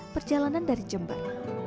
perjalanan dari jember